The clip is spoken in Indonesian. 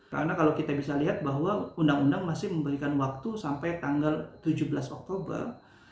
karena kalau kita bisa lihat bahwa undang undang masih memberikan waktu sampai tanggal tujuh belas oktober